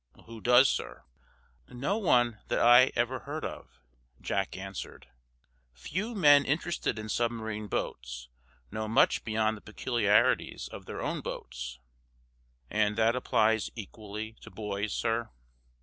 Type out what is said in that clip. "Who does, sir?" "No one that I ever heard of," Jack answered. "Few men interested in submarine boats know much beyond the peculiarities of their own boats." "And that applies equally to boys, sir?"